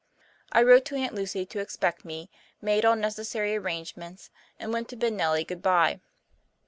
I wrote to Aunt Lucy to expect me, made all necessary arrangements, and went to bid Nellie goodbye.